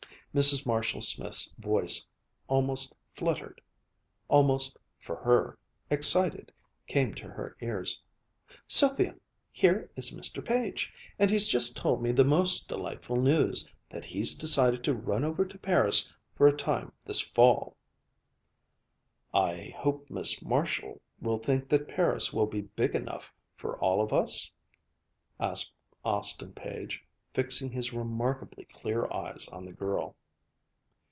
Mrs. Marshall Smith's voice, almost fluttered, almost (for her) excited, came to her ears: "Sylvia here is Mr. Page! And he's just told me the most delightful news, that he's decided to run over to Paris for a time this fall." "I hope Miss Marshall will think that Paris will be big enough for all of us?" asked Austin Page, fixing his remarkably clear eyes on the girl.